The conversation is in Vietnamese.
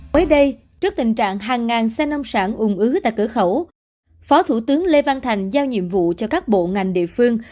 mới đây trước tình trạng hàng ngàn xe nông sản ung ứ tại cửa khẩu phó thủ tướng lê văn thành giao nhiệm vụ cho các bộ ngành địa phương